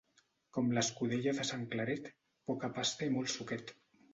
Com l'escudella de sant Claret, poca pasta i molt suquet.